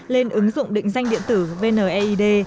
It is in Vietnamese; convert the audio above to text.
lên ứng dụng định danh điện tử vneid